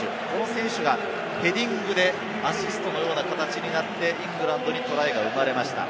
選手がヘディングでアシストのような形になって、イングランドにトライが生まれました。